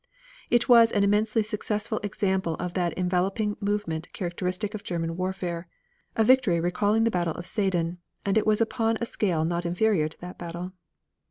It was an immensely successful example of that enveloping movement characteristic of German warfare, a victory recalling the battle of Sedan, and it was upon a scale not inferior to that battle.